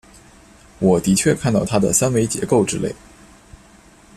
我的确看到它的三维结构之类。